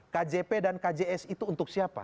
kjp dan kjs itu untuk siapa